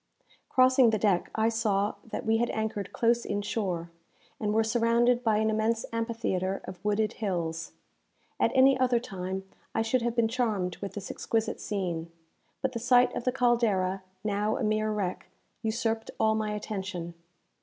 Crossing the deck, I saw that we had anchored close in shore, and were surrounded by an immense amphitheatre of wooded hills. At any other time I should have been charmed with this exquisite scene; but the sight of the "Caldera," now a mere wreck, usurped all my attention.